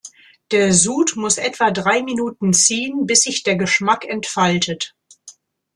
Der Sud muss etwa drei Minuten ziehen, bis sich der Geschmack entfaltet.